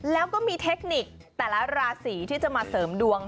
แล้วก็มีเทคนิคแต่ละราศีที่จะมาเสริมดวง